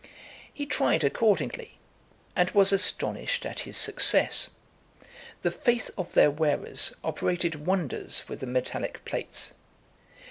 He tried accordingly, and was astonished at his success. The faith of their wearers operated wonders with the metallic plates.